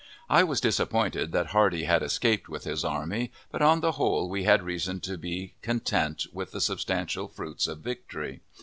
I was disappointed that Hardee had escaped with his army, but on the whole we had reason to be content with the substantial fruits of victory.